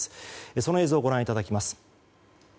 その映像をご覧いただきます。